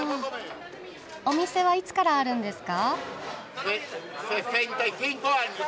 お店はいつからあるんですか？